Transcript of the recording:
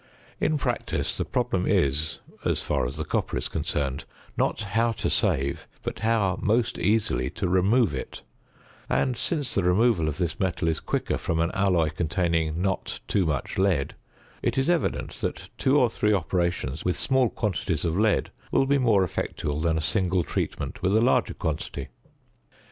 In practice the problem is (as far as the copper is concerned) not how to save, but how most easily to remove it; and since the removal of this metal is quicker from an alloy containing not too much lead, it is evident that two or three operations with small quantities of lead will be more effectual than a single treatment with a larger quantity.